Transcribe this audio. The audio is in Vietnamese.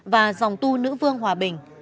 và dòng tu nữ vương hòa bình